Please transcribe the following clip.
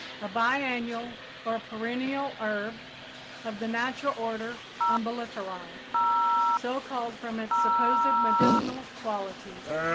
a biennial or perennial herb of the natural order Umbelliferæ, so called from its supposed medicinal qualities.